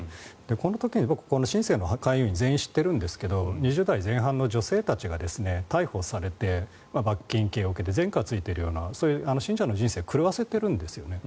この時に新世の会員全員知ってるんですが２０代前半の女性たちが逮捕されて、罰金刑を受けて前科がついているような信者の人生を狂わせているんですよね。